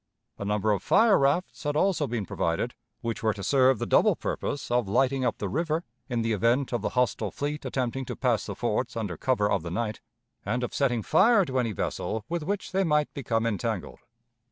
A number of fire rafts had been also provided, which were to serve the double purpose of lighting up the river in the event of the hostile fleet attempting to pass the forts under cover of the night, and of setting fire to any vessel with which they might become entangled.